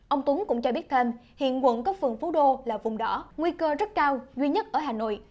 ông tuấn cũng cho biết thêm hiện quận có phường phú đô là vùng đỏ nguy cơ rất cao duy nhất ở hà nội